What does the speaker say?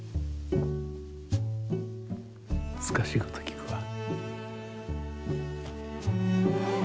むずかしいこときくわ。